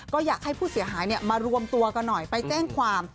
ก็อยากให้ผู้เสียหายมารวมตัวกันหน่อยไปแจ้งความ